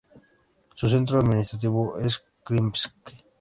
Su centro administrativo es Krymsk.